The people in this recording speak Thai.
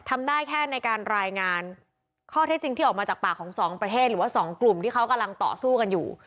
ทำได้แค่ในการรายงานข้อเท็จจริงที่ออกมาจากปากของสองประเทศหรือว่าสองกลุ่มที่เขากำลังต่อสู้กันอยู่